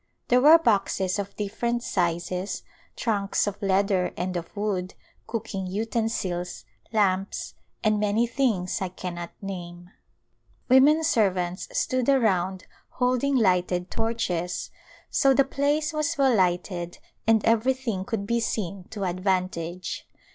There were boxes of different sizes, trunks of leather and of wood, cooking utensils, lamps and many things I cannot name. A Glimpse of India Women servants stood around holding lighted torches so the place was well lighted and everything could be seen to advantage.